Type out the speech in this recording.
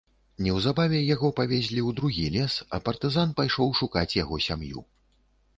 Неўзабаве яго павезлі ў другі лес, а партызан пайшоў шукаць яго сям'ю.